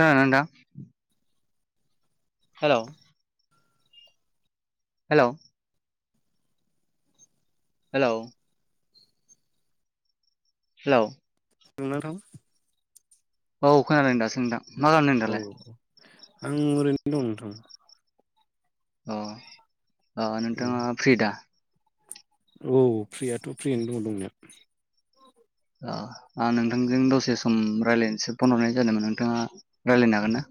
खानादोंना नोंथां? Hello hello hello हेल' [unintelligible] औ खोनादों दासो नोंथां। मा खालामदों औ दालाय? औ आं ओरैनो दं नोंथां। अ अ नोंथाङा फ्रि दा? औ औ फ्रियाथ' फ्रियैनो दङ दंनाया। अ आं नोंथांजों दसे सम रायज्लायनोसो फन हरनाय जादोंमोन नोंथाङा रायलायनो हागोन ना?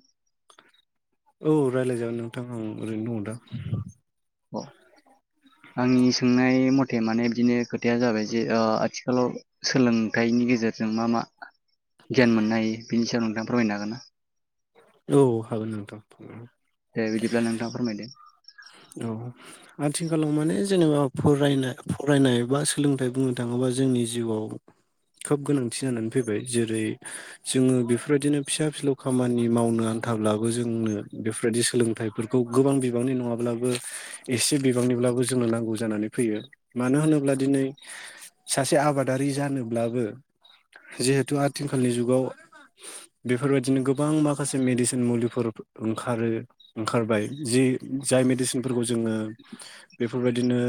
औ रायलायजागोन नोंथां आं ओरैनो दङ' दा। अ। आंनि सोंनाय मथे माने बिदिनो खोथाया जाबाय जे ओ आथिखालाव सोलोंथाइनि गेजेरजों मा मा गियान मोननो हायो। बेनि सायाव नोंथाङा फोरमायनो हागोन ना? औ हागोन नोंथां। दे बिदिब्ला नोंथाङा फोरमायदो। औ। आथिखालाव माने जेनेबा फरायना फरायनाय बा सोलोंथाइ बुंनो थाङोबा जोंनि जिउआव खोब गोनांथि जानानै फैबाय। जेरै जोङो बेफोरबायदिनो फिसा फिलौ खामानि मावनो आन्थाब्लाबो जोंनो बेफोरबायदि सोलोंथाइफोर खौ गोबां बिबांनि नङा ब्लाबो एसे बिबांनिब्लाबो जोंनो नांगौ जानानै फैयो। मानो होनोब्ला दिनै सासे आबादारि जानोब्लाबो जिहेथु आथिखालनि जुगाव बेफोरबायदिनो गोबां माखासे मेडिसिन मुलिफोर ओंखारो। ओंखारबाय जि जाय मेडिसिनफोरखौ जोङो बेफोरबायदिनो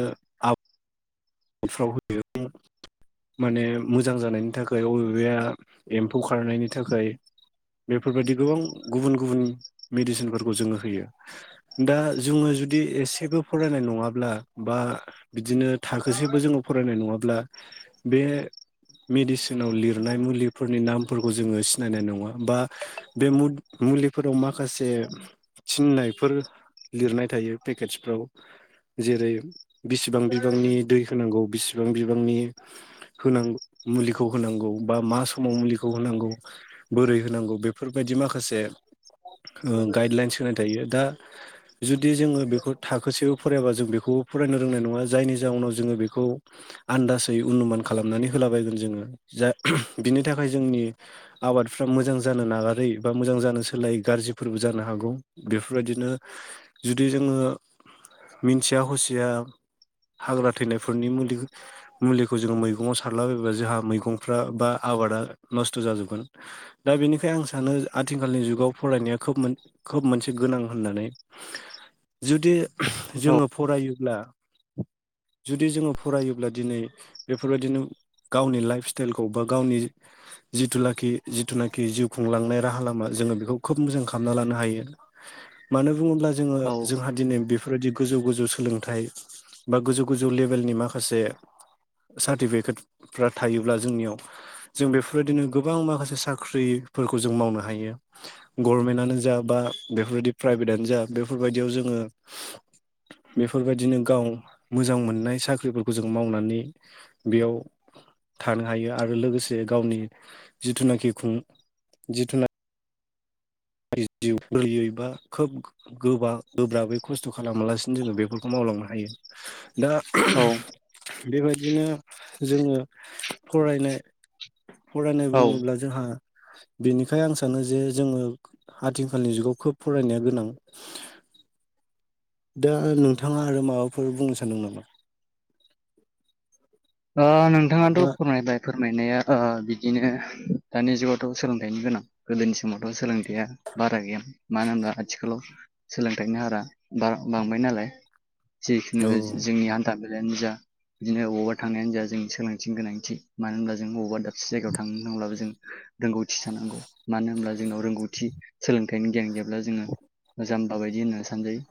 न'फ्राव होयो माने मोजां जानायनि थाखाय अबेबाया एम्फौ खारनायनि थाखाय। बेफोरबायदि गोबां गुबुन गुबुन मेडिसिनफोरखौ जोङो होयो। दा जोङो जुदि एसेबो फरायनाय नङाब्ला बा बिदिनो था खोसेबो जोङो फरायनाय नङाब्ला बे मेडिसिनाव लिरनाय मुलिफोरनि नामफोरखौ जोङो सिनायनाय नङा बा बे [unintelligible] मुलिफोराव माखासे थिननायफोर लिरनाय थायो पेकेटसफ्राव। जेरै बेसेबां बिबांनि दै होनांगौ बिसिबां बिबांनि होनां मुलिखौ होनांगौ बा मा समाव मुलिखौ होनांगौ बोरै होनांगौ बेफोरबायदि माखासे ओ गाइडलाइन्स होनाय थायो। दा जुदि जोङो बेखौ थाखोसेबो फरायाबा जों बेखौबो फरायनो रोंनाय नङा। जायनि जाउनाव जोङो बेखौ आन्दासै अनुमान खालामनानै होलाबायगोन जोङो जा बिनि थाखाय जोंनि आबादफ्रा मोजां जानो नागारै बा मोजां जानो सोलायै गाज्रिफोरबो जानो हागौ। बेफोरबायदिनो जुदि जोङो मिन्थिया हसिया हाग्रा थैनायफोरनि मुलि मुलिखौ जोङो मैगङाव सारला बायब्ला जोंहा मैगंफ्रा बा आबादा नस्थ' जाजोबगोन। दा बेनिखायनो आं सानो आथिखालनि जुगाव फरायनाया खोब मोन खोब मोनसे गोनां होननानै जुदि औ जोङो फरायोब्ला जुदि जोङो फरायोब्ला दिनै बेफोरबायदिनो गावनि लाइफ स्टाइलखौ बा गावनि जिथुनाखि जिथुनाखि जिउ खुंलांनाय राहा लामा जोङो बेखौ खोब मोजां खालामना लानो हायो। मानो बुङोब्ला जोङो औ जोंहा दिनै बेफोरबायदि गोजौ गोजौ सोलोंथाइ बा गोजौ गोजौ लेभेलनि माखासे सार्टिफिकेटफ्रा थायोब्ला जोंनियाव जों बेफोरबायदिनो गोबां माखासे साख्रिफोरखौ जों मावनो हायो। गरमेन्टआनो जा बा बेफोरबायदि प्राइभेटआनो जा बेफोरबायदियाव जोङो बेफोरबायदिनो गाव मोजां मोननाय साख्रिफोरखौ जों मावनानै बेयाव थानो हायो आरो लोगोसे गावनि जिथुनाखि खुं जिथुना [unintelligible] जिउ खोलियै बा खोब गोबा गोब्राबै खस्थ' खालामालासिनो जोङो बेफोरखौ मावलांनो हायो। दा [unintelligible] औ बेबायदिनो जोङो फरायनाय फरायनाय औ बुङोब्ला जोंहा बेनिखाय आं सानो जे जोङो आथिखालनि जुगाव खोब फरायनाया गोनां। दा नोंथाङा आरो माबाफोर बुंनो सानदों नामा? नोंथाङाथ' बा फोरमायबाय फोरमायनाया बिदिनो दानि जुगावथ' सोलोंथाइनि गोनां गोदोनि समावथ' सोलोंथाइया बारा गैयामोन मानो होनबा आथिखालाव सोलोंथाइनि हारा बांबाय नालाय जिखुनु औ जोंनि हान्था मलाायानो जा बिदिनो अवारड थांनायानो जा जोंनि सोलोंथिनि गोनांथि मानो होनब्ला जोंबा दाब जायायाव थांनो नांब्लाबो जों रोंगौथि थानांगौ मानो होनब्ला ज जोंनाव रोंगौथि सोलोंथाइनि गियान जेब्ला जोङो जाम्बा बायदि होननो सानजायो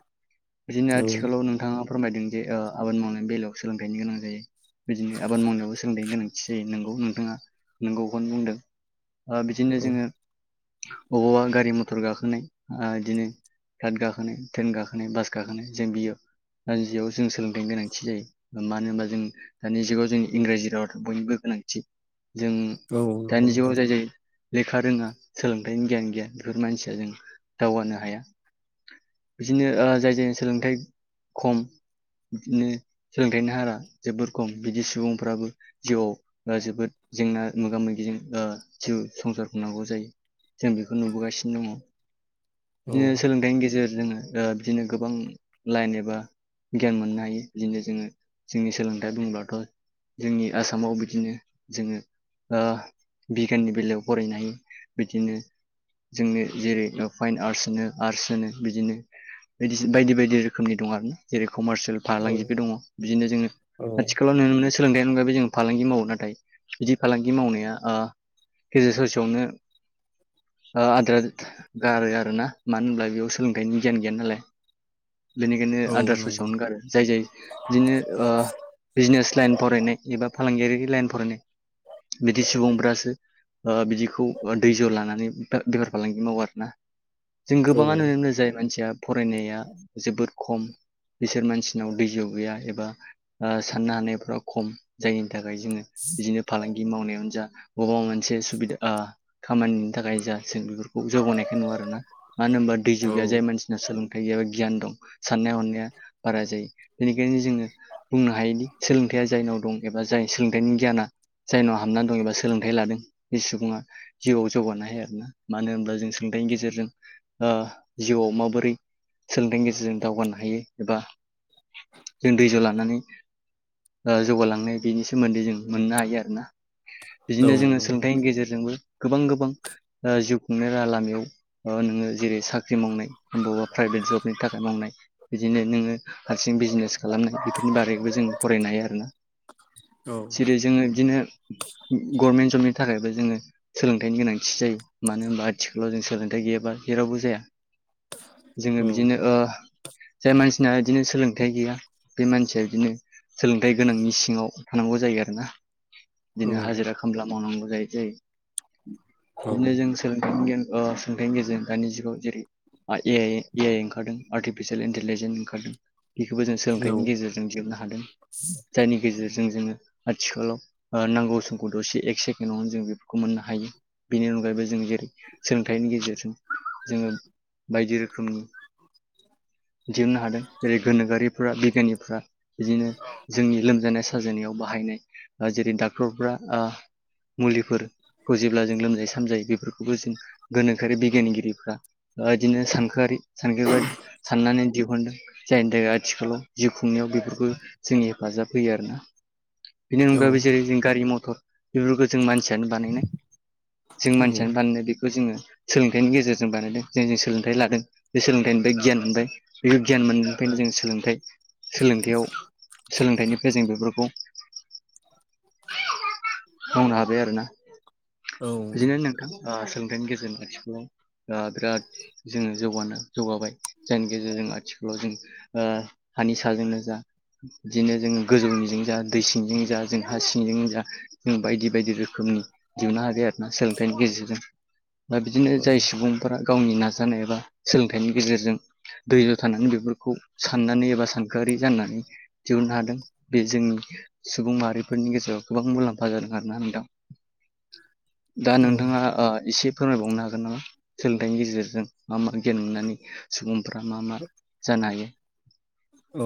बिदिनो औ आथिखालाव नोंथाङा फोरमायदों जे आबाद मावनायनि बेलायाव सोलोंथाइनि गोनां जायो बिदिनो आबाद मावनायावबो सोलोंथाइनि गोनांथि जायो नोंगौ नोंथाङा नोंगौखौनो बुंदों बिदिनो जोङो औ बबावबा गारि मथर गाखोनाय बिदिनो गाखोनाय ट्रेन गाखोनाय बास गाखोनाय जों बियो जियाव जों सोलोंथाइनि गोनांथि जायो मानो होनबा जों दानि जुगाव जोंनि इंराजि राव' बयनिबो गोनांथि जों औ नंगौ दानि नोंथां जुगाव जाय जाय लेखा रोङा सोलोंथाइनि गियान गैया बेफोर मानसिया जों दावगानो हाया बिदिनो जाय जायनि सोलोंथाइ खम बिदिनो सोलोंथाइनि हारा जोबोर खम बिदि सुबुंफ्राबो जिउआव जोबोद जेंना मोगा मोगिजों जिउ संसार होननांगौ जायो जों बेखौ नुबोगासिनो दङ औ बिदिनो सोलोंथाइनि गेजेरजोंोङो बिदिनो गोबां लाइन एबा गियान मोननो हायो बिदिनो जोङो जोंनि सोलोंथाइ बुङोब्लाथ' जोंनि आसामाव बिदिनो जोङो बिगियाननि बेलायाव फरायनो ह बिदिनो जोंनो जेरै फाइन आर्टस होनो आर्टस होनो बिदिनो बायदि बायदि बायदि रोखोमनि दं आरो जेरै कमार्सियेल औ फाालांगिबो दङ बिदिनो जोङो आथिखालाव नुनो मोनो सोलोंथाइनि अनगायै जों फालांगि मावो नाथाय बिदि फालांगि मावनाया गेजेर ससेयावनो आद्रा गारो आर ना मानो होनब्ला बेयाव सोलोंथाइनि गियान गैया नालाय बेनिखायनो औ आदार नंगौ ससेायावनो गारो जाय जाय बिदिनो बिजनेस लाइन फरायनाय एबा फालांगियारि लाइन फरायनाय बिदि सुबुंफ्रासो बिदिखौ दै ज' लानानै बेफार फालांगि मावो आरो जों औ गोबाङा नुनो मोनो जाय मानसिया फरायनाया जोबोद खम बिसोर मानसिनाव दै गैया एबा साननो हानायफ्रा खम जायनि थाखाय जोङो बिदिनो फालांगि मावनायावानो जा गोबाव मोनसे सुबिदा खामानिनि थाखाय जा जों बेफोरखौ जौगानायखाय नङा आर ना मानो होनबा दै औ जुगिया जाय मानसि सोलोंथाइ एबा गियान दं साननाय हनाया बारा जायो बेनिखायनो जोङो बुंनो हायोदि सोलोंथाइया जायनाव दं एबा जाय सोलोंथाइनि गियाना जायनाव हाबनानै दं एबा सोलोंथाइ लादों बे सुबुङा जिउआव जौगानो हायो आरोना मानो होनबा जों सोलोंथाइनि गेजेरजों जिउआव माबोरै सोलोंथाइनि गेजेरजों दावगानो हायो एबा जों दैज' लानानै जौगालांनाय बेनि सोमोन्दै जों मोननो हायो आरो ना बिदिनो औ जोङो नंगौ सोलोंथाइनि गेजेरजोंबो गोबां गोबां जिउ खुंनाय राहा लामानो नोङो जेरै साख्रि मावनाय बबबा प्राइभेट जबनि थाखाय मावनाय बिदिनो नोङो हारसिं बिजनेस खालामनाय बेफोरनि बारैबो जों फरायनो हायो आरोना औ जेरै जोङो बिदिनो गभर्नमेन्ट जबनि थाखायबो जोङो सोलोंथाइनि गोनांथि जायो मानो होनबा आथिखाल ' जों सोलोंथाइ गैयाबा जेरावबो जाया जोङो औ बिदिनो जाय मानसिना बिदिनो सोलोंथाइ गैया बे मानसिया बिदिनो सोलोंथाइ गोनांनि सिङाव थानांगौ जायो आरो ना औ बिदिनो हाजिरा खामला मावनांगौ जायो औ जायो बिदिनो जों सोलोंथाइ गियान ओ सोंथाइनि गेजेरजों दानि जुगाव जेरै एआइ ए आइ ओंखारदों आर्टिफिसियेल इन्टेलिजेन्स ओंखारदों। बेखौबो जों सोलोंथाइनि गेजेरजों जोबनो हादों जायनि गेजेरजों जोङो आथिखालाव नांगौ समखौ दसे एक सेकेणडआवनो जों बेफोरखौ मोननो हायो बेनि अनगायैबो जों जेरै सोलोंथाइनि गेजेरजों जोङो बायदि रोखोमनि [unintelligible] [inaudible] दिहुननो हादों जेरै गोनोगआरिफ्रा बिगियानिफ्रा बिदिनो जोंनि लोमजानाय सा जानायाव बाहायनाय जेरै डाक्टरफ्रा ओ मुलिफोरखौ जेब्ला जों लोमजायो सामजायो बेफोरखौबो जों गोनोखोआि बिगियानगिरिफ्रा ओ बिदिनो सानखोआरि सानख्रिफ्रा साननानै दिहहुनदों। जायनि थाखाय आथिखालाव जिउ खुंनायाव बेफोरखौ जोंनि हेफाजाब होयो आर ना। बेनि औ अनगायैबो जेरै जों गारि मथ'र बेफोरखौ जों मानसियानो बानायनाय। जों औ मानसियानो बानायनो बेखौ जोङो सोलोंथाइनि गेजेरजों बानायदों। जों जों सोलोंथाइ लादों बे सोलोंथाइनिफ्राय गियान मोनबाय बेखौ गियान मोननायनिफ्रायनो जों सोलोंथाइ सोलोंथायाइयाव सोलोंथाइनिफ्राय जों बेफोरखौ मावनो हाबाय आरोना औ बिदिनो नोंथां। ओ सोलोंथाइनि गेजेरजों आथि ओ बिराद जोङो जौगानो जौगाबाय जायनि गेजेरजों आथिखालाव जों ओ हानि साजोंनो जा बिदिनो जोङो गोजौनिजों जा दै सिंजों जा जों हा सिंजों जा जों बायदि बायदि रोखोमनि दिहुननो सोलोंथाइनि गेजेरजों बा बिदिनो जाय सुबुं फोरा गावनि नाजानाय एबा सोलोंथाइनि गेजेरजों दैज' थानानै बेफोरखौ साननानै एबा सानखोआरि जाननानै दिहुननो हादों बे जोंनि सुबुं माहारि फोरनि गेजेराव गोबां मुलाम्फा जादों आरोना नोंथां दा नोंथाङा ओ एसे फोरमायबावनो हागोन नामा सोलोंथाइनि गेजेरजों मा मा गियान मोननानै सुबुंफ्रा मा मा जानो हायो? औ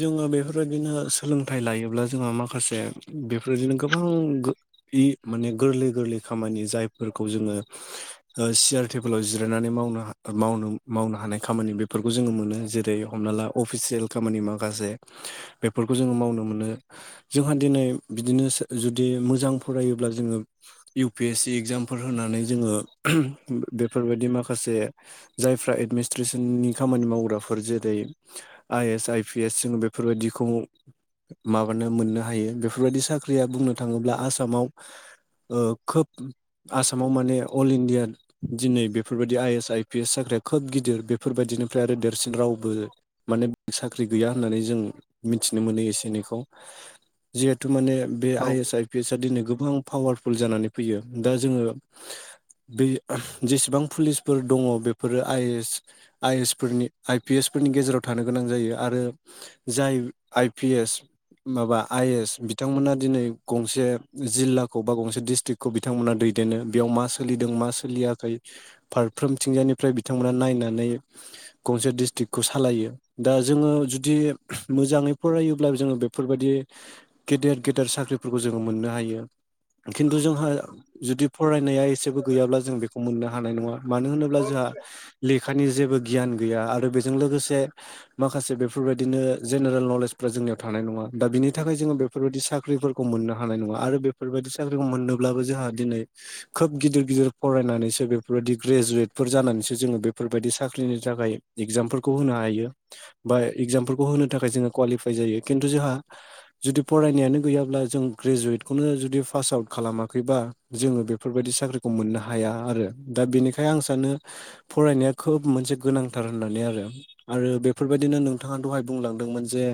जोङो बेफोरबायदिनो सोलोंथाइ लायोब्ला जोंहा माखासे बेफोरदिनो गोबां- इ माने गोरलै गोरलै खामानि जायफोरखौ जोङो ओ सियार टेबोलाव जिरायनानै मावनो मावनो हानाय खामानि बेफोरखौ जोङो मोनो जेरै हमना ला अफिसियेल खामानि माखासे बेफोरखौ जोङो मावनो मोनो। जोंहा दिनै बिदिनो जुदि मोजां फरायोब्ला जोङो इउ पि एस सि एगजामफोर होनानै जोङो बेफोरबायदि माखासे जायफ्रा एडमिटट्रेसननि खामानि मावग्राफोर जेरै I S I P S जों बेफोरबायदिखौ माबानो मोननो हायो बेफोरबायदि साख्रिया बुंनो थाङोब्ला आसामाव ओ खोब आसामाव माने अल इण्डिया दिनै बेफोरबायदि I S I P S साख्रिया खोब गिदिर बेफोरबायदिनिफ्राय आरो देरसिन रावबो माने साख्रि गैया होननानै जों मिथिनो मोनो एसे एनैखौ। जिहेतु माने बे औ आइ एस आइ पिएस दिनै गोबां पावारफुल जानानै फैयो दा जोङो बे जेसेबां पुलिसफोर दङ बेफोरो आइ एस आइ एस फोरनि आइ पि एस फोरनि गेजेराव थानो गोनां जायो आरो जाय आइ पि एस माबा आएस बिथांमोना दिनै गंसे जिल्लाखौ बा गंसे डिस्ट्रिक्ट खौ बिथांमोना दैदेनो बेयाव मा सोलिदों मा सोलियाखै फारफ्रोमथिंजायानिफ्राय बिथांमोना नायनानै गंसे डिस्ट्रिक्खौ सालायो। दा जोङो जुदि मोजाङै फरायोब्ला जोङो बेफोरबायदि गेदेर गेदेर साख्रिफोरखौ जोङो मोननो हायो खिन्थु जोंहा जुदि फरायनाया एसेबो गैयाब्ला जों बेखौ मोननो हानाय नङा मानो होनोब्ला जोंहा लेखानि जेबो गियान गैया आरो बेजों लोगोसे माखासे बेफोरबायदिनो जेनेरेल नलेजफ्रा जोंनियाव थानाय नङा दा बिनि थाखाय जोङो बे बेफोरबायदि साख्रिफोरखौ मोननो हानाय नङा आरो बेफोरबायदि साख्रिखौ मोननोब्लाबो जोंहा दिनै खोब गिदिर गिदिर फरायनानैसो बेफोरबायदि ग्रेजुवेटफोर जानानैसो जोङो बेफोरबायदि साख्रिनि थाखाय इगजामफोरखौ होनो हायो बा इग्जामफोरखौ होनो थाखाय जोङो क्वालिफाइ जायो खिन्थु जोंहा जुदि फरायनायानो गैयाब्ला जों ग्रेजुवेटखौनो जुदि पास आउट खालामाखैबा जोङो बेफोरबायदि साख्रिखौ मोननो हाया आरो दा बेनिखायनो आं सानो फरायनाया खोब मोनसे गोनांथार होननानै आरो आरो बेफोरबायदिनो नोंथाङा दहाय बुंलांदोंमोन जे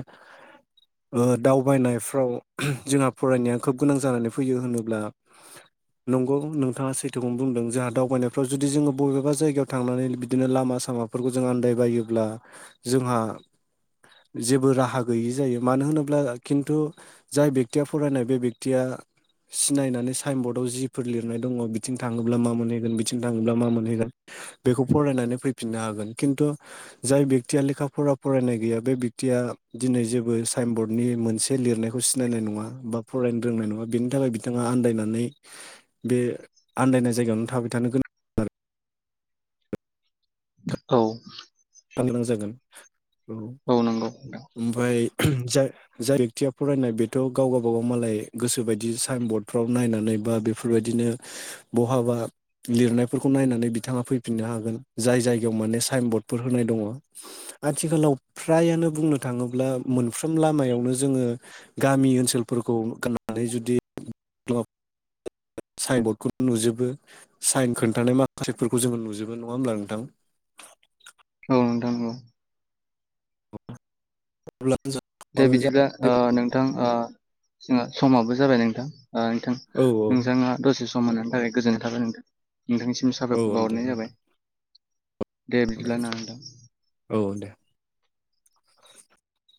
[unintelligible] दावबायनायफ्राव जोंहा फरायनाया खोब गोनां जानानै फैयो होनोब्ला नंगौ नोंथाङा सैथोखौनो बुंदों जोंहा दावबायनायफ्राव जुदि जोङो बबेबा जायगायाव थांनानै बिदिनो लामा सामा बेफोरखौ जों आन्दायबायोब्ला जोंहा जेबो राहा गैयि जायो मानो होनोब्ला खिन्थु जाय बेक्तिया फरायनाय बे बेक्तिया सिनायनानै साइन बरडआव जिफोर लिरनाय दङ बिथिं थाङोब्ला मा मोनहैगोन बिथिं थाङोब्ला मा मोनहैगोन बेखौ फरायनानै फैफिननो हागोन खिन्थु जाय बेक्तिया लेखाफोरार फरायनाय गैया बे बेक्तिया दिनै जेबो साइन बरर्डनि मोनसे लिरनायखौ खौ सिनायनाय नङा बा फरायनो रोंनाय नङा बेनि थाखाय बिथाङा आन्दायनानै बे आन्दायनाय जायगायावनो थाबाय थानो गोनां औ फाननो गोनां जागोन औ औ नांगौ। ओमफ्राय जा जाय बेक्तिया फरायनाय बेथ' गाव गावबागाव मालाय गोसो बायदि साइन बर्डाव नायनानै बा बे बेफोरबायदिनो बहाबा लिरनायफोरखौ नायनानै बिथाङा फैफिननो हागोन जाय जायगायाव माने साइन बर्ड फोर होनाय दङ आथिखालाव फ्रायानो बुंनो थाङोब्ला मोनफ्रोम लामायावनो जोङो गामि ओनसोलफोरखौ गाननानै जुदि औ साइन बरडखौ नुजोबो साइन खोन्थानाय माखासेफोरखौ जोङो नुजोबो नङा होमब्ला नोंथां औ नोंथां नंगौ। अब्ला जों- दा बिदिब्ला नोंथां जों समाबो जाबाय नोंथां नोंथां औ नोंथाङा दसे सम मोननायनि थाखाय गोजोन्नाय थाबाय नोंथां नोंथांनिसिम औ औ साबायखौ दे बावहरनाय नोंथां, जाबाय दे बिदिब्ला ना होनदां औ दे।